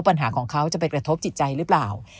ปัญหาของเขาจะไปกระทบจิตใจหรือเปล่า